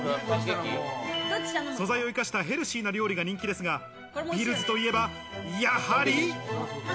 素材を生かしたヘルシーな料理が人気ですが、ｂｉｌｌｓといえばやはり。